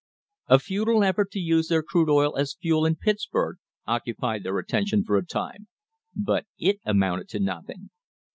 A futile effort to use their crude oil as fuel in Pittsburg occupied their attention for a time, but it amounted to nothing.